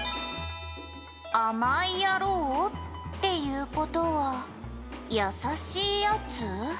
「甘い野郎っていう事は優しいヤツ？」